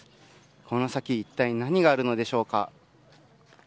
この先、いったい何があるのでしょうか。